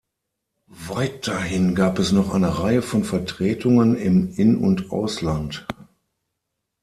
Weiterhin gab es noch eine Reihe von Vertretungen im In- und Ausland.